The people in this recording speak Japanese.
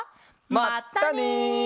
まったね！